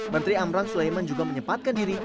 menteri amran sulaiman juga menyempatkan diri